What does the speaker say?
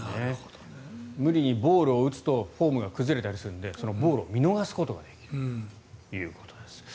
無理にボールを打つとフォームが崩れたりするんでボールを見逃すことができるということです。